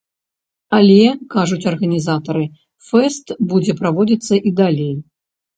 Але, кажуць арганізатары, фэст будзе праводзіцца і далей.